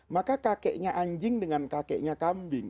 maka kakeknya anjing dengan kakeknya kambing